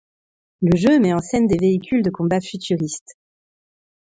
Le jeu met en scène des véhicules de combat futuristes.